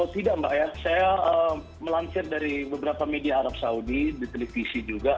tidak mbak ya saya melansir dari beberapa media arab saudi di televisi juga